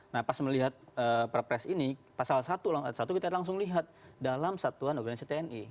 nah pas melihat kepres ini pasal satu kita langsung lihat dalam satuan organisasi tni